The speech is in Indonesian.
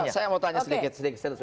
saya mau tanya sedikit